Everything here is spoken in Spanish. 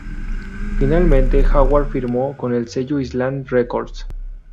Finalmente Howard firmó con el sello Island Records.